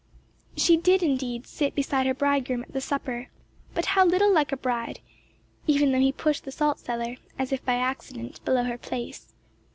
She did indeed sit beside her bridegroom at the supper, but how little like a bride! even though he pushed the salt cellar, as if by accident, below her place.